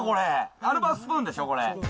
アルバスプーンでしょ、これ。